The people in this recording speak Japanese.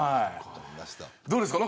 どうですか。